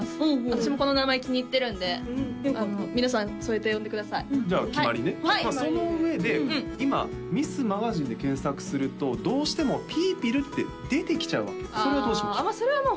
私もこの名前気に入ってるんで皆さんそうやって呼んでくださいじゃあ決まりねまあその上で今ミスマガジンで検索するとどうしても「ぴーぴる」って出てきちゃうわけそれはどうしましょう？